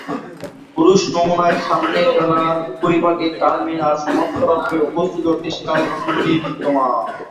পুরুষ নমুনায় সামনের ডানার উপরিভাগে টার্মেন এর সমান্তরাল ভাবে অবস্থিত ডিসকাল বন্ধনী বিদ্যমান।